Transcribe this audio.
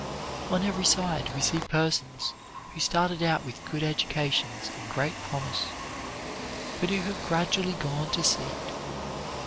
On every side we see persons who started out with good educations and great promise, but who have gradually "gone to seed."